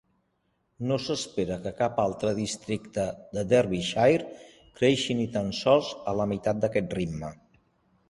No s'espera que cap altre districte de Derbyshire creixi ni tan sols a la meitat d'aquest ritme.